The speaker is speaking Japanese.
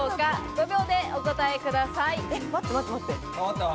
５秒でお答えください。